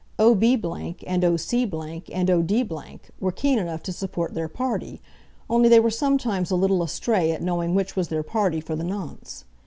O'B and O'C and O'D were keen enough to support their party, only they were sometimes a little astray at knowing which was their party for the nonce.